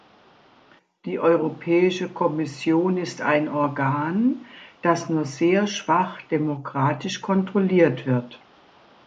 Die Europäische Kommission ist ein Organ, das nur sehr schwach demokratisch kontrolliert wird.